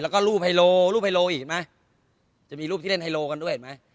เราก็รูปไฮโลรูปไฮโลอีกมั้ยจะมีรูปที่เล่นไฮโลกันด้วยเห็นมั้ย